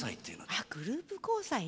あっグループ交際ね。